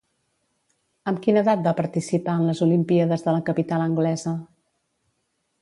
Amb quina edat va participar en les Olimpíades de la capital anglesa?